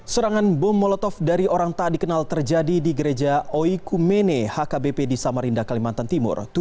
serangan bom molotov dari orang tak dikenal terjadi di gereja oikumene hkbp di samarinda kalimantan timur